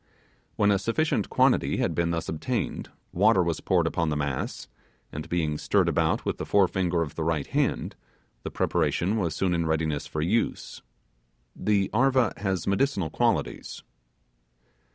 When a sufficient quantity had been thus obtained water was poured upon the mass, and being stirred about with the forefinger of the right hand, the preparation was soon in readiness for use. The 'arva' has medicinal qualities.